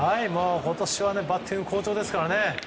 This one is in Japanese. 今年はバッティング好調ですからね。